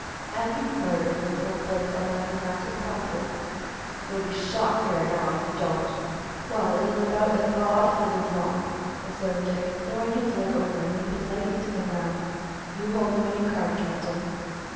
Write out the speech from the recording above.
"And be murdered in cold blood somewhere in the mountain passes?" "You will be shot here and now if you don't." "Well, it is about as broad as it is long," observed Dick, throwing his leg over and leaping lightly to the ground. "You hold the winning card, captain."